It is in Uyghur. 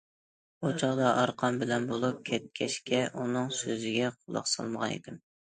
ئۇ چاغدا ئارقان بىلەن بولۇپ كەتكەچكە ئۇنىڭ سۆزىگە قۇلاق سالمىغان ئىدىم.